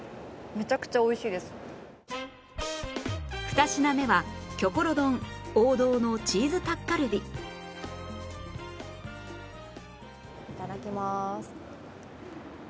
２品目はいただきます。